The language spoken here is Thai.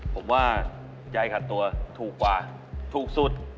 ผมว่ายายขัดตัวถูกกว่าถูกสุด